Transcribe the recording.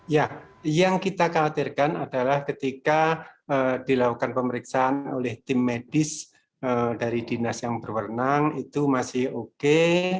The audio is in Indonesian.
ya yang kita khawatirkan adalah ketika dilakukan pemeriksaan oleh tim medis dari dinas yang berwenang itu masih oke